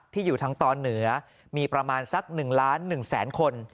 อยู่ทางตอนเหนือมีประมาณสัก๑ล้าน๑แสนคน